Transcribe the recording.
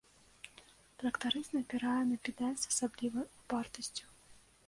Трактарыст напірае на педаль з асаблівай упартасцю.